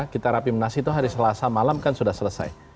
kita rapimnas itu hari selasa malam kan sudah selesai